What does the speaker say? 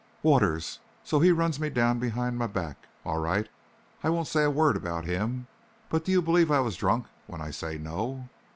"Waters! So he runs me down behind my back. All right, I won't say a word about him. But do you believe I was drunk when I say no?"